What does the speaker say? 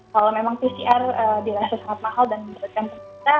kalau pcr dirasa sangat mahal dan menurutkan kita